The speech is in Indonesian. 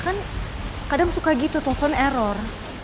kan kadang suka gitu telepon error